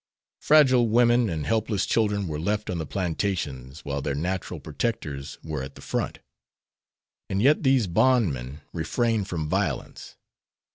Fragile women and helpless children were left on the plantations while their natural protectors were at the front, and yet these bondmen refrained from violence.